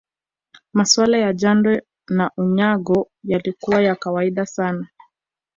Masuala ya jando na Unyago yalikuwa ya kawaida sana